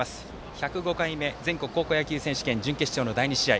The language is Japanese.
１０５回目全国高校野球選手権の準決勝の第２試合